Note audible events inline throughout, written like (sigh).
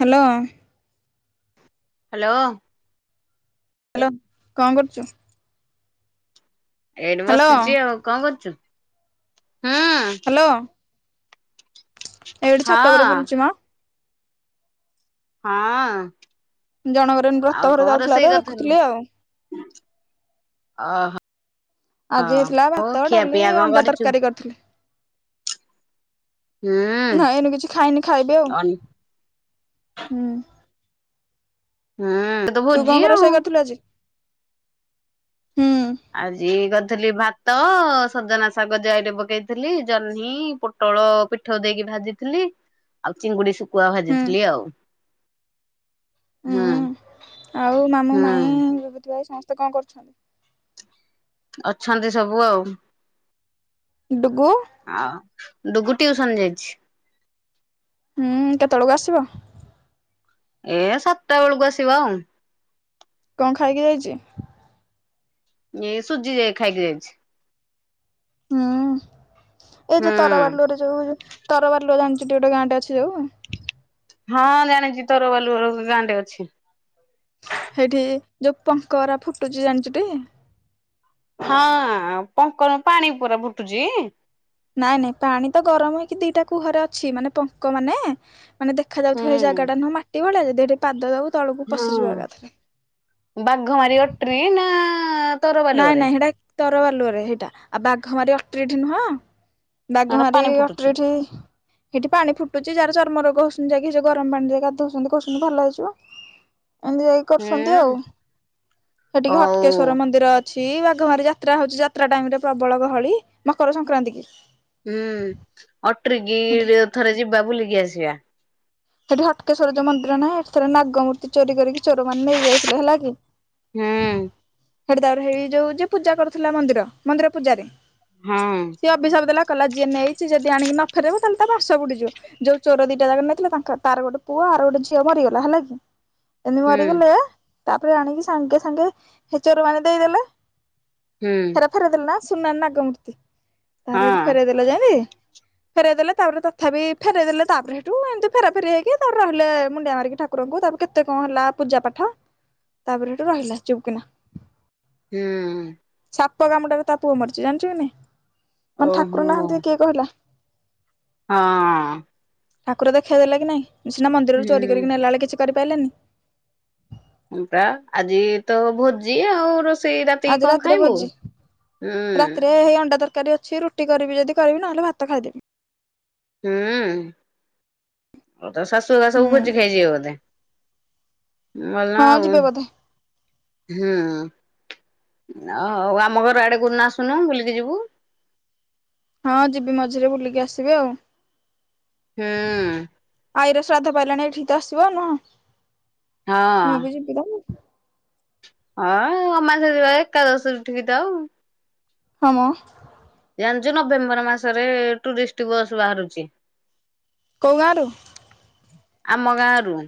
Hello hello hello କଣ କରୁଛୁ ଏଇଠି ହ୍ୟାଲୋ ବସିଛି ଆଉ କଣ କରୁଛୁ ହୁଁ। ହ୍ୟାଲୋ? ଏଇଠି ହଁ ଛାତ ଉପରେ ବୁଲୁଛି ମା। ହଁ, ଜଣଙ୍କର ବ୍ରତ ଆଉ ଘର କଣ ଯାଉଥିଲା ତ ରୋଷେଇ କରିଥିଲୁ? ଦେଖୁଥିଲି ଆଉ। ଓହୋ ହ ଆଜି ହେଇଥିଲା ହଉ। ଭାତ ଖିଆ ଡାଲି ପିଆ କଣ ଅଣ୍ଡା କରିଛୁ? ତରକାରୀ ହୁଁ ନାଇ ଏନୁ କିଛି ଖାଇନି ଖାଇବେି ଆଉ ଅନ୍ ହୁଁ। ହୁଁ। ତ ତୁ ଭୋଜି କଣ କଣ ଆଉ ରୋଷେଇ କରିଥିଲୁ ଆଜି? ହୁଁ ଆଜି କରିଥିଲି ଭାତ ସଜନା ଶାଗ ଜାଇରେ ପକେଇଥିଲି ଜହ୍ନି ପ ପୋଟଳ ପିଠ ଦେଇକି ଭାଜିଥିଲି ଆଉ ଚିଙ୍ଗୁଡି କୁଆ ହୁଁ ଭାଜିଥିଲି ଆଉ ହୁଁ। ଆଉ ମାମୁଁ ହୁଁ ମାଇଁ ବିଭୂତି ଭାଇ ସମସ୍ତେ କଣ କରୁଛନ୍ତି? ଅଛନ୍ତି ସବୁ ଆଉ। ଡୁଗୁ ଆଉ ଡୁଗୁ ଟିଉସନ ଯାଇଛି। ହୁଁ କେତେବେଳକୁ ଆସିବ? ଏ ସାତଟା ବେଳକୁ ଆସିବା ଆଉ। କଣ ଖାଇକି ଯାଇଛି? ଏଇ ସୁଜି ଯ ଖାଇକି ଯାଇଛି। ହୁଁ ଏଇ ହୁଁ ଯୋଉ ତରବାରଲୋ ରେ ଯୋଉ ତରବାରଲୋ ଜାଣିଚ ଟି ଜିଲ୍ଲା ଗୋଟେ ଗାଁ ଟେ ଅଛି ଯୋଉ ହଁ ଜାଣିଛି ତୋର ବାଲୁ ଗାଁଟେ ଅଛି। ସେଇଠି ଯୋଉ ପଙ୍କଗୁଡା ଫୁଟୁଛି ଜାଣିଛୁ ଟି? ହଁ ପଙ୍କନୁ ପାଣି ପୁରା ଫୁଟୁଛି। ନାଇଁ ନାଇଁ ପାଣି ତ ଗରମ ହେଇକି ଦିଟା କୁହରେ ଅଛି ମାନେ ପଙ୍କ ମାନେ ମାନେ ଦେଖ ଦେଖାଯଉ ହୁଁ। ଥିବା ସେ ଜାଗାଟା ନୁହଁ ମାଟି ଭଳିଆ ଯେ ଦେଠି ପାଦ ଦଉ ତଳକୁ ହଁ ପଶିଯିବ ଏକାଥରକେ। ବାଘ ମାରିବ ଟ୍ରେନ୍ ନାଇଁ ନାଇଁ ସେଇଟା ତର ବାଲୁଅରେ ସେଇଟା ଆଉ ବାଘ ମାରି ଅଟ୍ରିଠି ନୁହଁ। ବାଘ ଏଟା ପାଣି ମାରିକି ଫୁଟୁଛି। ଅଟରଠି ସେଠି ପାଣି ଫୁଟୁଛି ଯାହାର ଚର୍ମରୋଗ ହୋଇଛି ସେ ଗରମ ପାଣି ଯାଇ ଗାଧଉଛନ୍ତି କହୁଛନ୍ତି ଭଲ ହେଇଯିବ। ଏମିତି ଯାଇକି କରୁଛନ୍ତି ଆଉ ହୁଁ ସେଠିକି ହଉ ହଟକେଶ୍ଵର ମନ୍ଦିର ଅ ଅଛି ବାଘମାରୀ ଯାତ୍ରା ହଉଛି ଯାତ୍ରା ଟାଇରେ ପ୍ରବଳ ଗହଳି ମକର ସଂକ୍ରାନ୍ତି କି। ହୁଁ ଅଟରିକି ହେଠି। ଥରେ ଯିବା ବୁଲିକି ଆସିବା। ସେଠି ହଟେକେଶ୍ୱର ଯୋଉଁ ମନ୍ଦିର ନାହିଁ ଏଠ ଥରେ ନାଗମୂର୍ତ୍ତି ଚୋରି କରିକି ଚୋରାନ ନେଇ ଯାଇଥିଲେ। ହେଲା କି। ହୁଁ। ସେଠ ତାର ହେଇ ଯୋଉ ଯ ପୂଜା କରୁଥିଲା ମନ୍ଦିର ମନ୍ଦିର ପୂଜାରେ। ହଁ। ସିଏ ଅଭିଶାପ ଦେଲା କଲା ଯିଏ ନେଇ ଯଦି ଆଣି ଫେରେଇବ ତାହେଲେ ତା ବାସ ବୁଡିଯିବ, ଯୋଉ ଚୋର ଦିଟା ନଥିଲା ତା ତାର ଗୋଟେ ପୁଅ ଆର ଗୋଟେ ଝିଅ ମରିଗଲା ହେଲା କି ଏମିତି ହୁଁ ମରିଗଲେ ତାପରେ ଆଣିକି ସାଙ୍ଗେ ସାଙ୍ଗେ ହେ ଚୋରମାନେ ଦେଇଦେଲେ। ହୁଁ। ଫରେଇଦେଲେ ନା ସୁନା ନଗମର୍ତ୍ତି ହଁ ଡାଇରେକ୍ଟ ଫେରେଇଦେଲେ। ଯା ଫେରଇ ଦେଲେ ତାପରେ ତଥାପି ଫେରଇ ଦେଲେ ତାପରେ ସେଠୁ ଏମତି ଫେରା ଫେରି ହେଇକି ତା ରହିଲେ ମୁଣ୍ଡିଆ ମାରିକି ଠାକୁରଙ୍କୁ ତାକୁ କେତେ କଣ ହେଲା ପୂଜା ପାଠ। ତାପରେ ସେଠୁ ରହିଲା ଚୁପକିନା। ହୁଁ। ସାପ କାମଟାରେ ତା ପୁଅ ମାରୁଛି ଜାଣିଛୁ କି ନାହିଁ। ଓହୋ। କହିଲା ହଁ। ଠାକୁର ଦେଖାଇ ଦେଲା କି ନାଇଁ ସେ ସିନା ମନ୍ଦିରରୁ ଚୋରି କରିକି ନେଲା ବେଳେ କିଛି କରିପାରିଲାନି। ପୁରା ଆଜି ତ ଭୋଜି ଆଉ ରୋ ଆଜି ରାତିରେ ଭୋଜି ହୁଁ ରାତିରେ ହେଇ ଅଣ୍ଡା ତରକାରୀ ଅଛି ରୁଟି ରୁଟି କରିବି ଯଦି କରିବି ନହେଲେ ଭାତ ଖାଇଦେବି। ହୁଁ ତ ଶାଶୁ ଘରେ ସବୁ ହୁଁ ଭୋଜି ଖାଇ ଯିବେ ବୋଧେ? ଭଲ ହଁ ଆଉ। ଯିବେ ବୋଧେ ହୁଁ ଆଉ ଆମ ଘର ଆଡେ (inaudible) ବୁଲିକି ଯିବୁ। ହଁ ଯିବି ମଝିରେ ବୁଲିକି ଆସିବି ଆଉ। ହଁ। ଆଈର ଶ୍ରାଦ୍ଧ ପାଇଲାଣି ଏଠିକି ତ ଆସିବ ନା। ମୁଁ ହଁ ବି ଯିବି ତ। ହଁ ଅମାସ ଥିବା ଏକାଦଶରୁ ଉଠିକିଥା ଆଉ। ହମ। ଜାଣିଛୁ ନଭେମ୍ବର ମାସରେ ଟୁରିଷ୍ଟ ବସ୍ ବାହାରୁଛି। କଉ ଗାଁରୁ? ଆମ ଗାଁରୁ।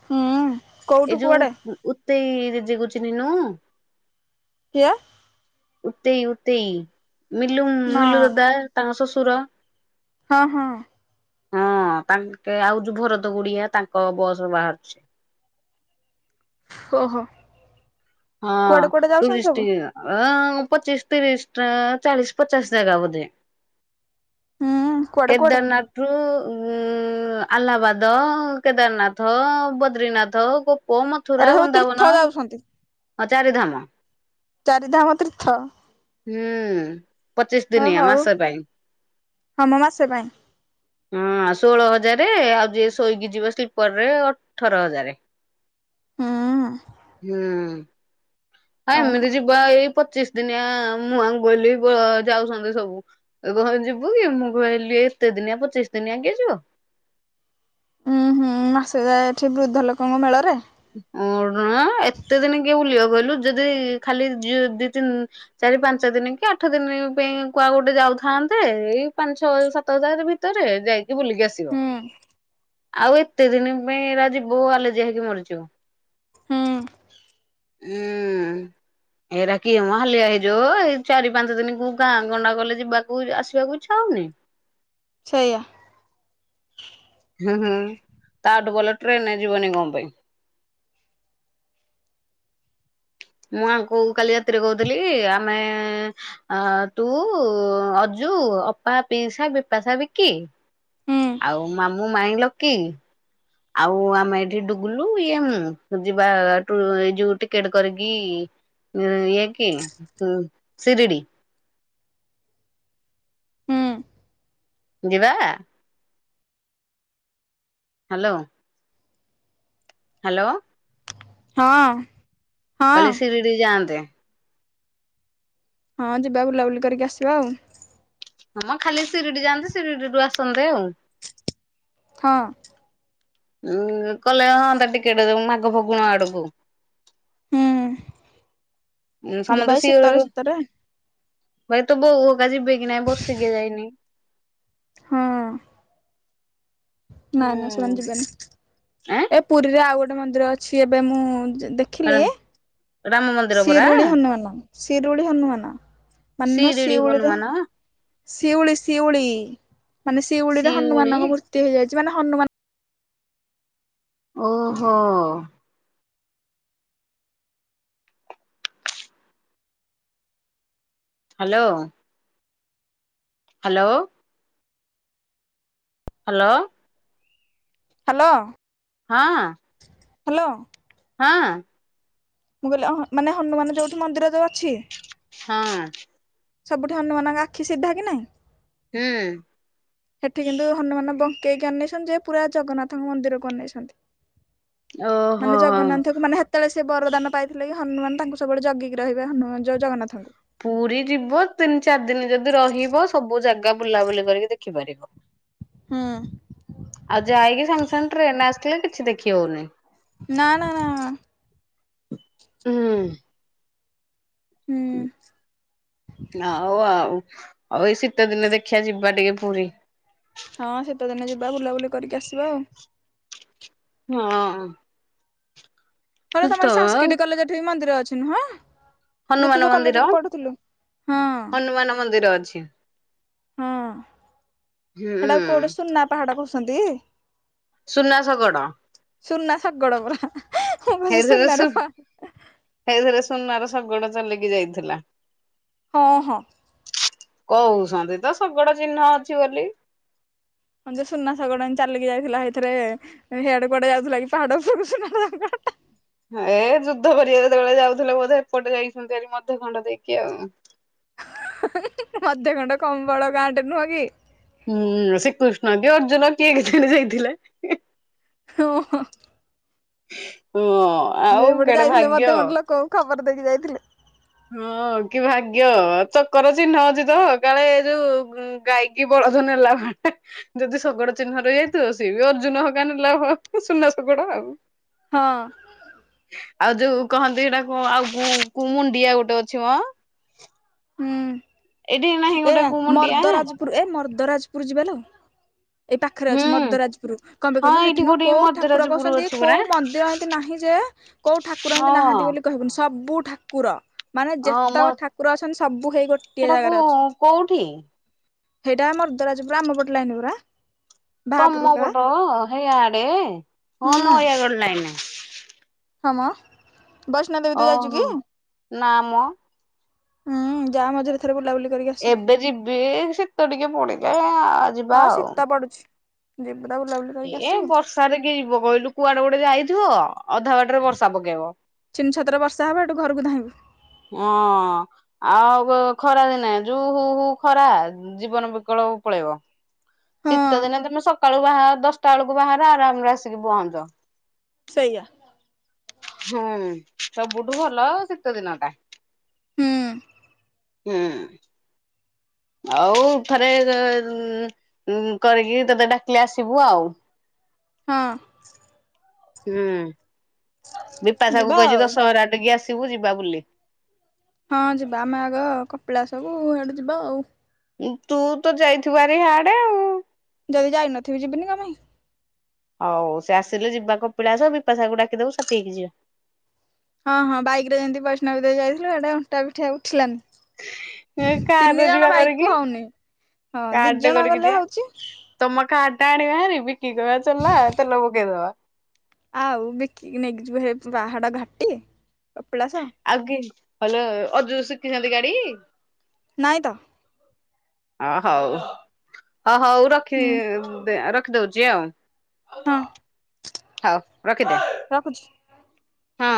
ହଁ। ଏଇ ଯୋଉ ଉତେଇ (inaudible) କୁ ଚିହ୍ନିନୁ? (unintelligible) ଉତେଇ ଉତେଇ ମିଲୁ ନା ମିଲୁ ଦଦା ତାଙ୍କ ଶ୍ୱଶୁର? ହଁ ହଁ। ହଁ ତାଙ୍କେ ଆଉ ଯୋଉ ଭରତ ଗୁଡିଆ ତାଙ୍କ ବସ ବାହାରୁଛ। ହହୋ। ହଁ ସବୁ ଟୁରିଷ୍ଟଟ ଆ ପଚିଶ ତିରିଶ ଚାଳିଶ ପଚାଶ ଜାଗା ବଧେ। ହୁଁ କୁଆଡେ କୁଆଡେ କେଦାରନାଥ ଉ ଆହ୍ଲାବାଦ କେଦାରନାଥ ବଦ୍ରିନାଥୋ। ଓ ଏରା ମଥୁରା ସବୁ ତୀର୍ଥ ବୃନ୍ଦାବନ ଯାଉଛନ୍ତି ହଁ ଚାରି ଧାମ। ଚାରିଧାମ ତୀର୍ଥ। ହୁଁ ପଚିଶ ଦିନିଆ ମାସ ପାଇଁ। ହଁମ ମାସ ପାଇଁ। ହଁ ଷୋଳ ହଜାରେ ଆଉ ଯିଏ ଶୋଇକି ଯିବ ସ୍ଲିପର ରେ ଅଠର ହଜାରେ। ହୁଁ ହୁଁ ହଁ ଓହୋ ଏମିତି ଯିବା ଏଇ ପଚିଶ ଦିନିଆ ମୁଆଁଙ୍ଗୁହିଲ୍ ଯାଉଛନ୍ତି ସବୁ। ଏ ଘରେ ଯିବୁ କି? ମୁଁ କହିଲି ଏତେ ଦିନିଆ ପଚିଶି ଦିନିଆ କିଏ ଯିବ। ଉଁ ହୁଁ ମାସେକେ ଯାଏ ଏଠି ବୃଦ୍ଧ ଲୋକଙ୍କ ମେଳରେ। ଉଠୁମ ଏତେ ଦିନି କିଏ ବୁଲିବ କହିଲୁ, ଯଦି ଖାଲି ଦି ତିନି ଚାରି ପାଞ୍ଚ ଦିନି କି ଆଠ ଦିନି ପେଇଁ କୁଆ ଗୋଟେ ଯାଉଥାନ୍ତେ, ଏଇ ପାଞ୍ଚ ଛଅ ସାତ ହଜାର ଭି ତୋର ଏ ଯାଏ। ବୁଲିକି ଆସିବ। ହୁଁ ଆଉ ଏତେ ଦିନି ପାଇଁ ଏରା ଜିବୁ ଆଲେର୍ଜି ହେଇକି ମରି ତୁ ଉଁ। ହୁଁ ଏଇରା କିଏମ ହାଲିଆ ହେଇଯିବୁ। ଏଇ ଚାରି ପାଞ୍ଚ ଦିନି କୋଉ ଗାଁ ଗଣ୍ଡା ଗଲେ ଯିବାକୁ ଆସିବାକୁ ଇଚ୍ଛା ହେଉନି। ଛେଇୟା। ହୁଁ ହୁଁ ତାଠୁ ଭଲ ଟ୍ରେନରେ ଯିବନି କଣ ପେଇଁ। ମୁଁ ଆଙ୍କୁ କୋ କାଲି ରାତିରେ କହୁଥିଲି କି ଆମେ ଆ ତୁ, ଅଜୁ, ଅପା, ପିଇସା, ବିପାସା, ବିକି। ହୁଁ ଆଉ ମାମୁଁ, ମାଇଁ, ଲକି। ଆଉ ଆମେ ଏଇଠି ଡୁଗୁଲୁ ଇଏ ମୁଁ ଯିବା ଟୁ ଏ ଯୋଉ ଟିକେଟ୍ କରିକି ଉଁ ଇଏକି ଶିରିଡି। ହୁଁ। ଯିବା। ହାଲୋ। ହାଲୋ। ହଁ। ହଁ କହିଲେ ସିରିଡି ଯାଆନ୍ତେ। ହଁ ଯିବା ବୁଲାବୁଲି କରିକି ଆସିବା ଆଉ। ହମ ଖାଲି ସିରିଡି ଯାଆନ୍ତେ, ସିରିଡି ରୁ ଆସନ୍ତେ ଆଉ। ହଁ। ଉଁ କଲେ ହଁଅତା ଟିକେଟେ ମାଘ ଫଗୁଣ ଆଡକୁ। ହୁଁ। ଯିବା ସମସ୍ତେ ଏଇ ଶୀତରେ ସିଉଡିରୁ ଶୀତରେ ହୁଏତୋ ବୋଉ ହୋଉକା ଯିବେ କି ନାଇଁ ବର୍ଷିକିିଆ ଯାଇନି। ହୁଁ। ନାଇଁ, ନାଇଁ ସେମାନେ ହୁଁ। ଯିବେନି। ଏପ। ପୁରୀରେ ଆଉ ଗୋଟେ ମନ୍ଦିର ଅଛି ଏବେ ମୁଁ ଯ ଆଁ ଦେଖିଲି। ରାମ ମନ୍ଦିର ପରା ଶିରୁଳି ହନୁମାନ, ଶିରୁଳି ହନୁମାନ ମାନ ଶିରିଡି ଶିଉଳିର ହନୁମାନ ଶିଉଳି, ଶିଉଳି ମାନେ ଶିଉଳିରେ ଶିଉଳି ହନୁମାନଙ୍କ ମୂର୍ତ୍ତି ହେଇଯାଇଚି। ମାନେ ହନୁମାନ ଓହୋ। ହାଲୋ। ହାଲୋ। Hello hello. ହଁ। ହାଲୋ। ହଁ। ମୁଁ କହିଲି ହ ମାନେ ହନୁମାନ ଯୋଉଠି ମନ୍ଦିଦରେ ଅଛି। ହଁ। ସବୁଠି ହନୁମାନଙ୍କ ଆଖି ସିଧା କି ନାଇଁ? ହୁଁ। ସେଠି କିନ୍ତୁ ହନୁମାନ ବଙ୍କେଇକି ଆନେଇଛନ୍ତି ଯେ ପୁରା ଜଗନ୍ନାଥଙ୍କ ମନ୍ଦିରକୁ ଅନେଇଛନ୍ତି। ଓହୋ ମାନେ ଜଗନ୍ନାଥଙ୍କୁ ମାନେ ହେତ୍ ଯେତେବେଳେ ସେ ବରଦାନ ପାଇଥିଲେ କି ହନୁମାନ ତାଙ୍କୁ ସବୁବେଳେ ଜଗିକି ରହିବେ ହନୁମାନ ଜଉ ଜଗନ୍ନାଥଙ୍କୁ। ପୁରୀ ଯିବ ତିନି ଚାରି ଦିନ ଯଦି ରହିବ ସବୁ ଜାଗା ବୁଲାବୁଲି କରିକି ଦେଖିପାରିବ। ହୁଁ। ଆଉ ଯାଇକି ସାଙ୍ଗେ ସାଙ୍ଗେ ଟ୍ରେନ ଆସିଥିଲେ କିଛି ଦେଖି ହଉନି। ନା, ନା, ନା। ହୁଁ। ହୁଁ ଆଉ ଆଉ ଆଉ ଏଇ ଶୀତ ଦିନ ଦେଖିବା ଯିବା ଟିକେ ପୁରୀ। ହଁ ଶୀତଦିନେ ଯିବା ବୁଲାବୁଲି କରିକି ଆସିବା ଆଉ। ହଁ। ହୋଇଲ ତ ତମେ ଏଇ ସଂସ୍କ୍ରିଟ କଲେଜ ଠୀ ମନ୍ଦିର ଅଛି ନୁଁହ? ଯେଉ ହନୁମାନ ତୁ ଯୋଉ ମନ୍ଦିର କଲେଜକୁୁ ପଢୁଥିଲୁ। ହନୁମାନ ମନ୍ଦିର ଅଛି ହଁ। ହୁଁ। କୋଉଟେ ସୁନା ପାହାଡ ବସନ୍ତି। ସୁନା ଶଗଡ଼। ସୁନା ଶଗଡ଼ ପରା ମୁଁ କହୁଚି ସେଥିରେ ସୁନାର ସୁ ପାହାଡ ଏଇଥର ସୁନାର ଶଗଡ ଚଲକି ଯାଇଥିଲା। ହଁ, ହଁ। କହୁଛନ୍ତି ତ ଶଗଡ଼ ଚିହ୍ନ ଅଛି ବୋଲି। ହଁ ଯୋଉ ସୁନା ଶଗଡ଼ ଚାଲିକି ଯାଇଥିଲା ଏଇଥିରେ ହେଇ ଆଡେ ଯାଉଥିଲା କି ପାହାଡ ଉପରକୁ ସୁନା ଶଗଡ଼। ଏ ଯୁଦ୍ଧ କରିବାକୁ ଯେତେବେଳେ ଯାଉଥିଲେ ବୋଧେ ଏପଟେ ଯାଇଛଛନ୍ତି ମଧ୍ୟଖଣ୍ଡ ଦେଇକି ଆଉ। ମଧ୍ୟଖଣ୍ଡ କମ୍ ବଡ଼ ଗାଁଟେ ନୁହଁ କି? ହୁଁ ଶ୍ରୀକୃଷ୍ଣ କି ଅର୍ଜୁନ କିଏ କେଜାଣି ଯାଇଥିଲେ। ହଁ, ହଁ। (unintelligible) ଏଇପଟେ କେଡେ ଯାଇଥିଲେ ଭାଗ୍ୟ। ମଧ୍ୟଖଣ୍ଡ ଲୋକଙ୍କୁ ଖବର ଦେଇକି ଯାଇଥିଲେ। ହଁ କି ଭାଗ୍ୟ ଚକର ଚିହ୍ନ ଅଛି ତ କାଳେ ଏ ଯୋଉ ଗାଈ କି ବଳଦ ନେଲା (unintelligible) ଯଦି ଶଗଡ଼ ଚିହ୍ନ ରହି ଯାଇଥିବ ସିଏ ବି ଅର୍ଜୁନ (unintelligible) ସୁନା ଶଗଡ ଆଉ। ହଁ। ଆଉ ଯୋଉ କହନ୍ତି ସେଇଟା କୁ ଆଉ କୁମୁଣ୍ଡିଆ ଗୋଟେ ଅଛି ମ। ଏଇଠି ହୁଁ ନାହିଁ ଏ ଗୋଟେ କୁମୁଣ୍ଡିଆ? ମର୍ଦ୍ଦରାଜପୁର ଏ ମର୍ଦ୍ଦରାଜପୁର ଯିବା ଲୋ। ଏଇ ପାଖରେ ହଁ ଅଛି ମର୍ଦ୍ଦରାଜପୁର। କଣ ପାଇଁ କହିଲୁ ଏଇଠି ସେଠିନୁହ କୋଉଠି କୋଉ ଠାକୁର ମଦରାଜପୁର ବସନ୍ତି ଅଛି ପରା। କୋଉ ମନ୍ଦିର ଏମିତି ନାହିଁ ଯେ କୋଉ ଠାକୁର ଏମିତି ନାହାନ୍ତି ହଁ ବୋଲି କହିବୁନି ସବୁ ଠାକୁର ମାନେ ହଁ ମ ଯେତେକ ଠାକୁର ଅ ଛନ୍ତି ସବୁ ହେଇ ଗୋଟିଏ ସେଟାକୁ ଜାଗାରେ ଅଛନ୍ତି। କୋଉଠି ସେଇଟା ମର୍ଦ୍ଦରାଜପୁର ଆମ ପଟ ଲାଇନ ପରା। ବାହାପୁର ତମ ହେକା ପଟ ହେଇଆଡେ? ହିଁ ହୁଁ ନୟାଗଡ଼ ଲାଇନରେ ହଁମ ବୈଷ୍ଣ ଦେବୀ ତୁ ଯାଇଛୁ କି? ଓହୋ ନା ମ ହୁଁ ଯା ମଝିରେ ଥରେ ବୁଲାବୁଲି କରିକି ଆସିବୁ ଏବେ ଯିବି ଶୀତ ଟିକେ ପୁଡିଲେ ଆ ଯିବା ହଁ ଆଉ। ଶୀତ ପଡୁଛି। ଯିବୁ ତ ବୁଲାବୁଲି କରିକି ଏ ଆସିବୁ ବର୍ଷାରେ କିଏ ଯିବ କହିଲୁ କୁଆଡେ ଗୋଟେ ଯାଇଥିବ ଅଧା ବାଟରେ ବର୍ଷା ପକେଇବ। ଛିନ ଛତର ବର୍ଷା ହେବ ଘରକୁ ଧାଇଁବୁ। ହଁ। ଆଉ ଖରା ଦିନେ ଯୋଉ ହୁ ହୁ ଖରା ଜୀବନ ବିକଳକୁ ପଳେଇବ। ଶୀତ ହଁ ଦିନେ ତମେ ସକାଳୁ ବା ଦଶଟା ବେଳକୁ ବାହାରେ ଆରାମରେ ଆସିକି ପହଞ୍ଚ। ସେଇୟା। ହୁଁ ସବୁଠୁ ଭଲ ଶୀତ ଦିନଟା। ହୁଁ ହୁଁ ଆଉ ଥରେ ଉଉ ଉ କରିକି ତତେ ଡାକିଲେ ଆସିବୁ ଆଉ। ହଁ। ହୁଁ ବିପାସାକୁ ଯିବା କହିଛି ଆଉ। ଦଶହରାରେ ଟିକେ ଆସିବୁ ଯିବା ବୁଲି। ହଁ ଯିବା ଆମେ ଆଗ କପିଳାସକୁ ହେଠୁ ଯିବା ଆଉ। ତୁ ତ ଯାଇଥିବୁ ଆରି ହାଡେ ଆଉ। ଯଦି ଯାଇନଥିବି ଯିବିନି କଣ ପାଇଁ? ହଉ ସେ ଆସିଲେ ଯିବା କପିଳାସ ବିପଶାକୁ ଡାକିଦବୁ ସାଥି ହେଇକି ଯିବା। ହଁ, ହଁ ବାଇକରେ ଯେମିତି ବୈଷ୍ଣବି ଦେବୀ ଯାଇଥିଲ ଏଇଟା ଅଣ୍ଟା ପିଠା ଆଉ ଉଠିଲାନି। ଏ ତିନି କାରରେ ଜଣ ଯିବା କରିକି ବାଇକକୁ ହଉନି ହଁ ଦି କାର ଟେ ଜଣ କରିକି ଯିବା। ଗଲେ ହଉଛି। (unintelligible) ଚଲା ତେଲ ପକେଇଦବା। ଆଉ ବିକି ନେଇକି ଯିବୁ ହେ ପାହାଡ଼ ଘାଟି କପିଳାସ। ଆଉକେ ହଲ ଅଜୁ ଶିଖିଛନ୍ତି ଗାଡି? ନାଇଁ ତ। ଅ ହଉ ହ ହଉ ରଖି ହୁଁ ରଖିଦଉଛି ଆଉ। ହଁ ହଉ ରଖିଦେ। ରଖୁଛି। ହଁ।